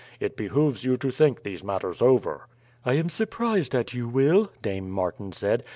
It behooves you to think these matters over." "I am surprised at you, Will," Dame Martin said.